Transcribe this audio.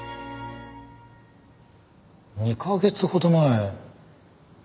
２カ月ほど前。